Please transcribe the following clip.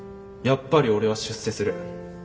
やっぱり俺は出世する。